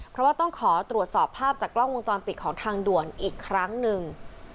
เพราะว่าต้องขอตรวจสอบภาพจากกล้องวงจรปิดของทางด่วนอีกครั้งหนึ่ง